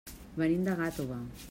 Venim de Gàtova.